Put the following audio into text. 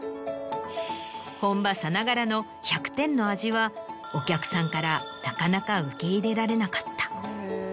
本場さながらの１００点の味はお客さんからなかなか受け入れられなかった。